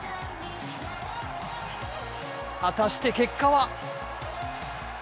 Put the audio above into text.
果たして、結果は？